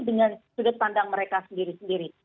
dengan sudut pandang mereka sendiri sendiri